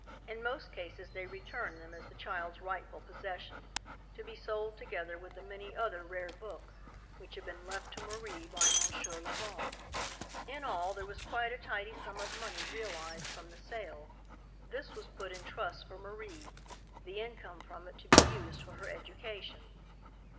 In most cases they returned them as the child's rightful possession, to be sold together with the many other rare books which had been left to Marie by Monsieur Le Bon. In all there was quite a tidy sum of money realized from the sale. This was put in trust for Marie, the income from it to be used for her education.